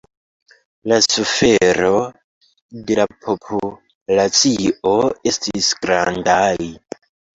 La sufero de la populacio estis grandaj.